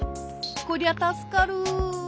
こりゃたすかる。